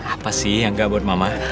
apa sih yang gak buat mama